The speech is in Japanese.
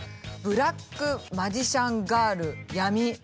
「ブラック・マジシャン・ガール闇」。